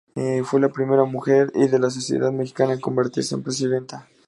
Fue la primera mujer, y de la sociedad mexicana, en convertirse en presidenta.